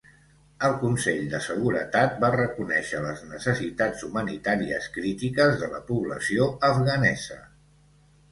El Consell de Seguretat va reconèixer les necessitats humanitàries crítiques de la població afganesa.